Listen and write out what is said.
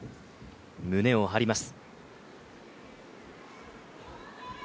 胸を張ります。